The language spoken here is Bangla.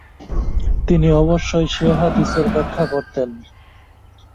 তিনি অবশ্যই সে হাদীসের ব্যাখ্যা করতেন।